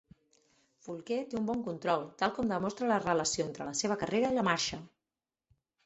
Foulke té un bon control, tal com demostra la relació entre la seva carrera i la marxa.